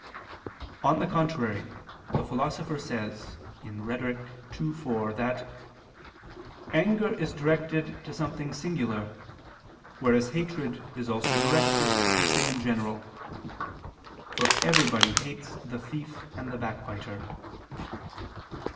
On the contrary, The Philosopher says (Rhet. ii, 4) that "anger is directed to something singular, whereas hatred is also directed to a thing in general; for everybody hates the thief and the backbiter."